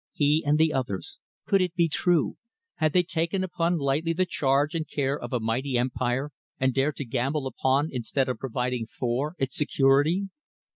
He and the others could it be true? had they taken up lightly the charge and care of a mighty empire and dared to gamble upon, instead of providing for, its security?